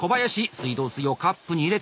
水道水をカップに入れた。